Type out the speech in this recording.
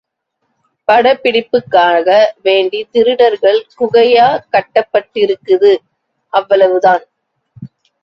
படப்பிடிப்புக்காக வேண்டி திருடர்கள் குகையா கட்டப்பட்டிருக்குது – அவ்வளவு தான்!